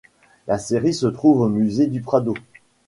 La série se trouve au musée du Prado.